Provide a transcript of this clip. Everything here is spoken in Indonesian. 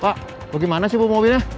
pak bagaimana sih mobilnya